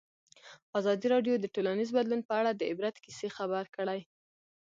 ازادي راډیو د ټولنیز بدلون په اړه د عبرت کیسې خبر کړي.